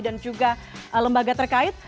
dan juga lembaga terkait